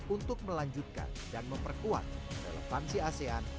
untuk melanjutkan dan memperkuat relevansi asean